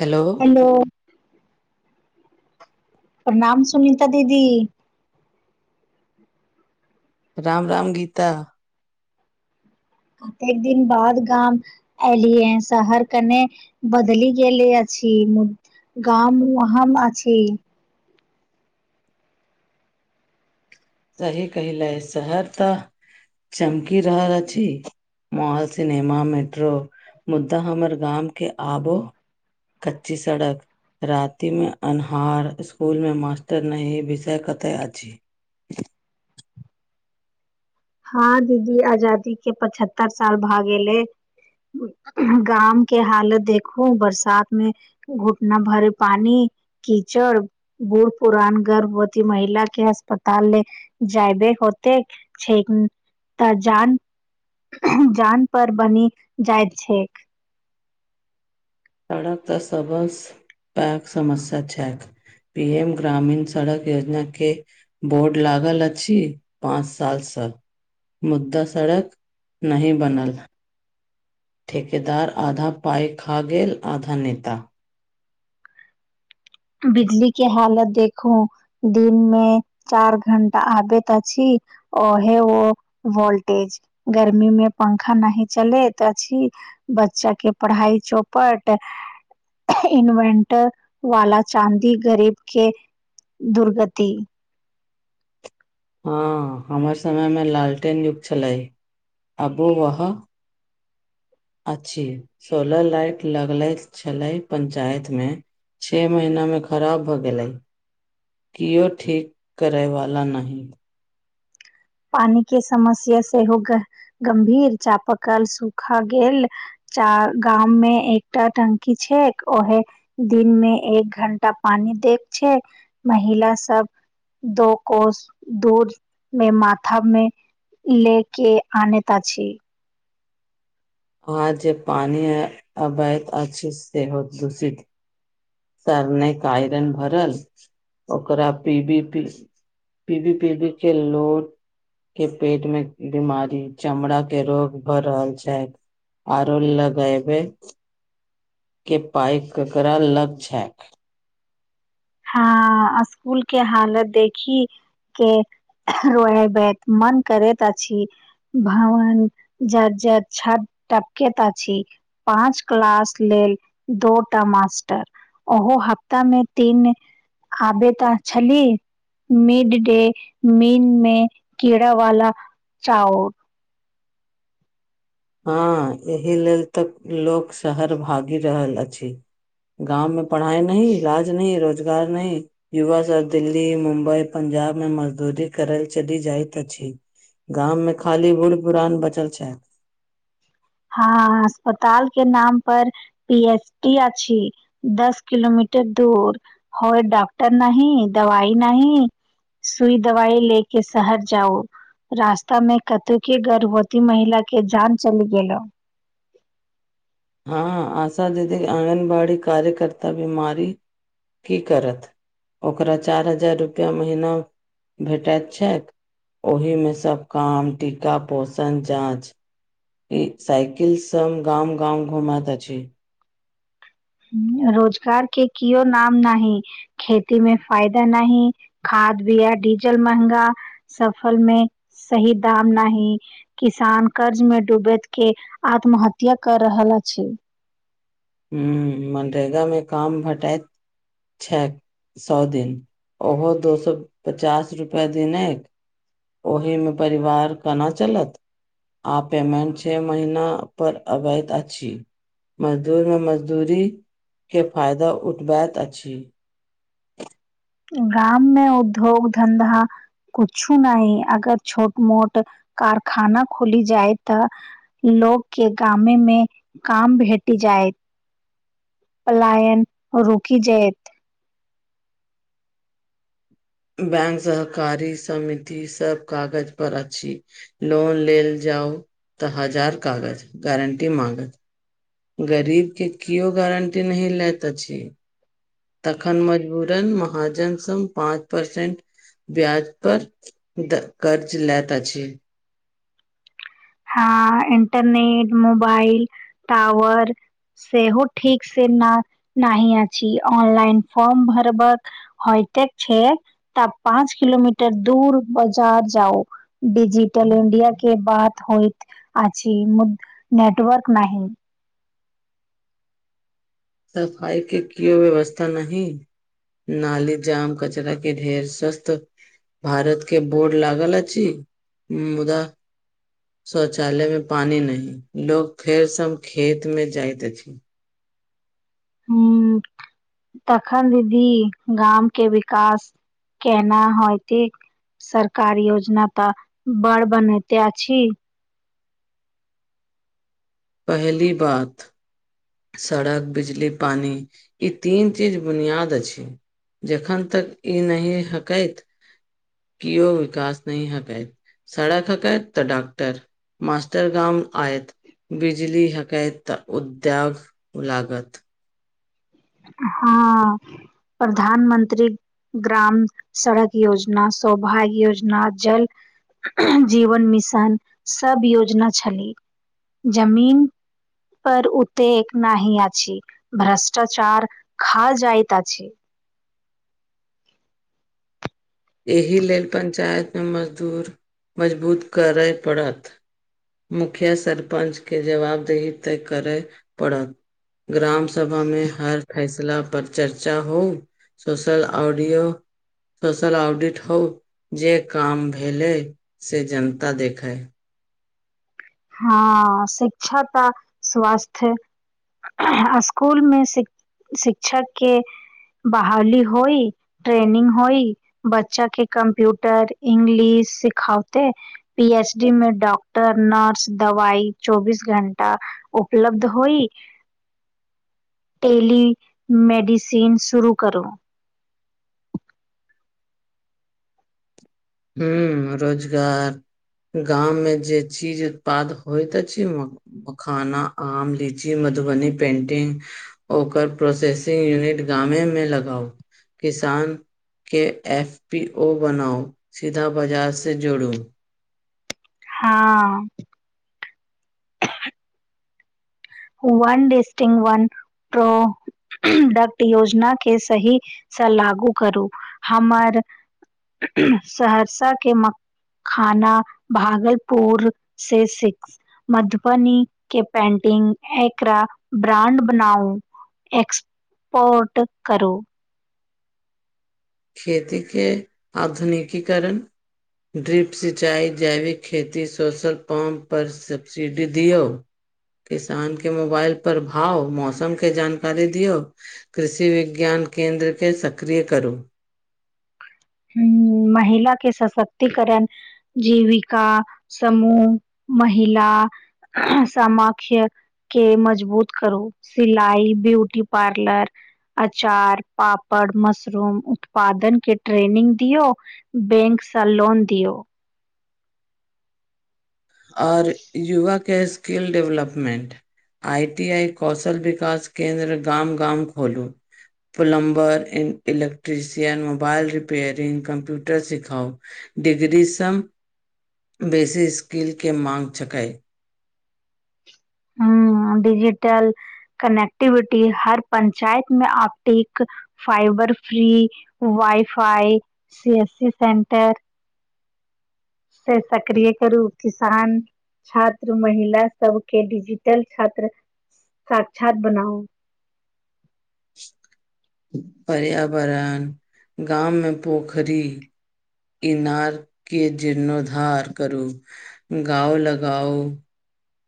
Hello hello प्रणाम सुनीता दीदी। राम राम गीता। कतेक दिन बाद गाम एलियएस सहर कने बदली गेल अछि मु गाममे [unintelligible] वहाम आ छै सही कहिलए, शहर तऽ चमकी रहल अछि। मॉल सिनेमा मेट्रो, मुद्दा हमर गाम के आबो कच्ची सड़क रातिमे अन्हार, इसकुलमे मास्टर नहि ई विषय कतऽ अछि? हँ दीदी आजादी के पचहत्तर साल भ गेले। गाम के हालत देखू, बरसात मे घुटना भर पानि, कीचड़ बूढ़ पुरान गर्भवती महिला के अस्पताल ल जायबे होते। छैक। तऽ जान जान पर बनि जाइत छैक। सड़क तऽ सबस पैक समस्या छैक। पी एम ग्रामीण सड़क योजना के बोर्ड लागल अछि पाँच सालसँ मुद्दा सड़क नही बनल हँ। ठेकेदार आधा पाइ खा गेल, आधा नेता। बिजली के हालत देखू। दिन मे चार घण्टा, आबैत छी ओ है ओ वोल्टेज गर्मी मे पंखा नहि चलेत अछी बच्चा के पढ़ाई चौपट, इन्वेट वाला चाँदी गरीब के दुर्गति। हँ हमर समयमे लालटेन युग्ग छलै, आबो रह। अछि, सोलर लाइट लगले छले पंचायत मे। छओ महीना मे खराब भऽ गेलै। क्यों ठीक करैवला नहि। पानी के समस्या सेहो ग गंभीर, चापकल सूखा गेल। चार गाम मे एकटा टंकी छै ओहे दिनमे एक घण्टा पानी दे छै, महिला सब दो कोस दूर मे मात थाममे ले के अनत अछी। आ जे पानी ह अवैत अच्छी सेहो दूषित। सबमेक आइरन भरल, ओकरा पी बी पी बी बी पी बी के लोड के पेट मे बीमारी, चमड़ा के रोग भर रहल छै। आरो लगायबै के पाइ ककरा लग छैक। हँ, स्कूल के हालत देखी। के रोएबेक मन करैत अछि। भावन जा ज छाद पकेत अ छी। पाँच क्लास लेल दोटा मास्टर ओहो हफ्ता मे तीन आबे तऽ छली। मिड डे मील में कीड़ा वाला चाउर। हँ, एहि लेल तऽ लोक शहर भागि रहल अछि। गाँव में पढ़ाई नहि, इलाज नहि, रोजगार नहि? युवा सभ दिल्ली, मुम्बई, पंजाब मे मजदूरी करय ल चली जाइत अछि। गाम में खाली बूढ़ पुरान बचल छैथ। हँ अस्पताल के नाम पर पी एस आछी दस किलोमीटर दूर। होर डॉक्टर नहि, दवइ नहि। सुई दवाई लैले शहर जाउ रास्ता में कतौ के गर्भवती महिला के जान चलि गेलै। हँ आशा दीदी, आँगनबाड़ी, कार्यकर्ता बीमारी की करत। ओकरा चारि हजार रुपैआ महिना भेटैत छैक। ओहिमे सब काम, टीका, पोषण, जाँच। ई साइकिल संग गाँव- गाँव घुमत अछि। रोजगार के कओ नाम नाहि। खेती मे फायदा नहि, खाद बियाा डिजल महगा। फसल मे सही दाम नाही। किसान कर्ज में डूबैत के आत्महत्या कर रहल अछि। हुं, मनरेगामे काम भेटाइत छैथ। सए दिन, ओहो दू सए पचास रुपैआ दनेक। ओहिमे परिवार केना चलत? आ पेमेंट छ महिना पर अवैध अछि। लोग मजदूरी के फायदा उठबैत अछि। गाम मे उद्योग धधा कुछु नहि अगर छोट मोट कारखाना खुली जाइत त। लोक के गाामे में काम भेटी जायत पलायन रुकि जायत। बैंक सहकारी समिति सब कागज पर अछि। लोन लेल जाउ तऽ हजार कागज गारंटी मागत गरीब के केओ गारंटी नहि लैत अछि। तखन मजबूरन महाजन स पाँच परसेंट। ब्याज पर कर्ज लेैत अछि। हँ इंटरनेट मोबाइल टाावर से हो ठीक से न नहि अछि ऑनलाइन फॉर्म भरबक होइते छैय तब पाँच किलोमीटर दूर बाजार जाओ डजिटल इंडिया के बात होइत अछि मु नेटवर्क नहि। सफाइ के कियो व्यवस्था नहिं नाली जाम कचरा के ढेर स्वस्थ भारत के बोड लागल अछि मुदा शौचालय में पानी नही लोग फेर सब खेत मे जाइत अछि ह तखन दीदी गामके विकास केना है यतै सरकार योजना तऽ बड़ बनैते अछि। पहली बात सड़क, बिजली, पानी ई तीन चीज बुनियाद अछि जखन तक ई नहिह हकैत कि ओ विकास नहि हकैत सड़क खकत तऽ डॉक्टर मस्टर गाम आ बिजल हकत उद्योग लागत हँ प्रधानमंत्री ग्राम सड़क योजना सौभाग्य योजना जल जीवन मिशन सब योजना छलै जमीन पर उतेकेक नहि अछी भ्रष्टाचार खा जाइतइत अछि। एहि लेल पंचायत मे मजदूर मजबूत करय पड़त। मुखिया सरपंच के जवाब देही तय करय पड़त ग्रामस सभा में हर फैसला पर चर्चा होउ सोशल ऑडियो। [unintelligible] ऑडिट होउ जे काम भेलै से जनता देखै हँआ शिक्षा तऽ स्वास्थ। स्कूल मे शिक शिक्षक के बहाली होई। ट्रेनिंग होई बच्चा के कम्प्यूटर इंग्लिश सिखावते। पी एस डी में डॉक्टर नर्स दवाइ चौबीस घण्टा उपलब्ध होई। तेली मेडिसिन शुरू करू। हू रोजगार गाप में जे चीज उत्पाद होयत छै मखाना आम लीची मधुबनी पेंटिंग ओकर प्रोसेसिंग यूनिट गामे मे लगाउ किसान के एफ पी ओ बनाउ सीधा बाजार से जोड़ू हां [unintelligible] डक्ट योजना के सहीसँ लागू करू, हमर सहरसा के म खाना भागलपुर से सिक्स मधुबनी के पेंटिंग एकरा ब्रांड बनाउ, एक्स पोर्ट करू। खेती के आधुनिकीकरण ड्रिप सिचाईं, जैविक खेती, सोशल पम्प, पर सब्सिडी दियौ। किसान के मोबाइल पर भाव, मौसम के जानकारी दियौ। कृषि विज्ञान केंन्द्र के सक्रिय करू। हम्म महिला के सशक्तिकरण जीविका, समूह, महिला, सामाख्य के मजबूत करू, सिलाइ, ब्यूटी पार्लर अचार, पापड़, मशरूम उत्पादन के ट्रेनिंग दियौ, बैंक सऽ लोन दियौ। और युवा के skill development I T I, कौशल विकास केन्द्र गाम-गाम खोलू। पलम्बर ऐन इलेक्ट्रिसियन, मोबाइल रिपेयरिंग, कम्प्यूटर सिखाउ डीग्रीसंम बेसी स्किल के मांग छकए। हम्म डिजिटल कनेक्टिविटी, हर पंचायत मे optic fibre free, wifi, C S C centre से सक्रिय करू, किसान छात्र महिला सब के डिजिटल छात्र साक्षात बनाउ। पर्यावरण, गाम मे पोखरी इनार के जीर्णोद्धार करू, गाओ लगाऊ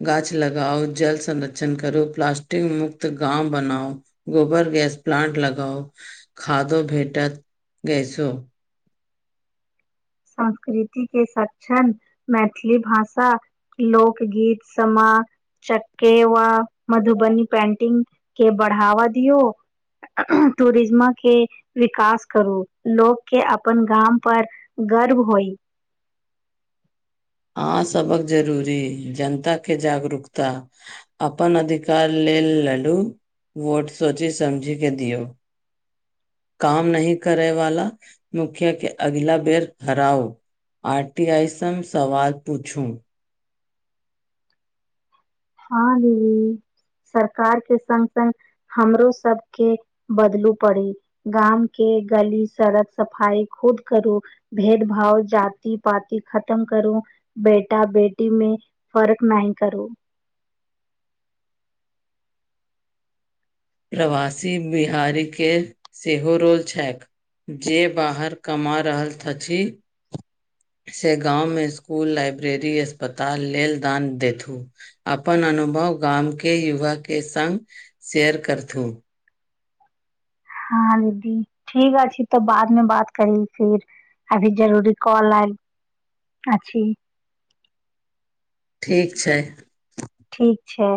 गाछ लगाउ, जल संरक्षण करु, प्लास्टिक मुक्त गांव बनाउ गोबर गैस प्लांट लगाऊ, खादो भेटत गैसो। संस्कृति के सक्षण, मैथिली भाषा लोक गीत, समा चक्केवा, मधुबनी पेन्टिंग के बढ़ावा दियो टूरिज्म के विकास करू, लोकके अपन गाम पर गर्व होइ। अहाँ सभक जरूरी, जनताके जागरूकता अपन अधिकार लेल लड़ू, वोट सोचि समझि के दियौ काम नहि करे वाला मुखिया के, अगिला बेर हराऊ आर टी आइसन सवाल पूछू। हँ दीदी सरकार के संग-संग हमरो सबके बदलू पड़ी गाम के गली, सड़क सफाई खुद करू भेदभाव, जाति-पति खतम करू, बेटा-बेटी मे फर्क नहि करू। प्रवासी बिहारीके सेहो रोल छैक जे बाहर कमा रहल थची से गाँवमे स्कुल, लाइब्रेरी, अस्पताल लेल दान देथू। अपन अनुभव गाम के युवा के संग शेयर करतून। हँ दीदी ठीक छै तऽ बादमे बात करी फिर। आभी जरूरी कल आ अ छी। ठीक छै। ठीक छै।